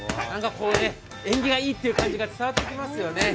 縁起がいいっていう感じが伝わってきますよね。